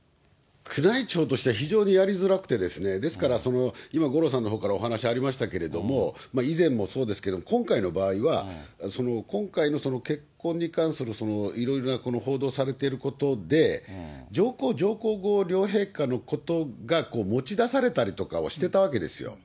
宮内庁としては非常にやりづらくて、ですから、今、五郎さんのほうからお話ありましたけれども、以前もそうですけれども、今回の場合は、その今回のその結婚に関する、いろいろなこの報道されてることで、上皇上皇后両陛下のことが、持ち出されたりとかをしてたわけですよ。